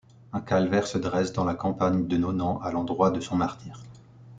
Un calvaire se dresse dans la campagne de Nonant à l'endroit de son martyre.